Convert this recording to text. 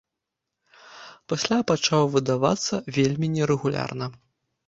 Пасля пачаў выдавацца вельмі нерэгулярна.